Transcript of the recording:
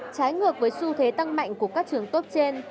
trái ngược với xu thế tăng mạnh của các trường tốt trên